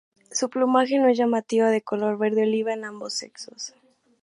Su plumaje no es llamativo, de color verde oliva en ambos sexos.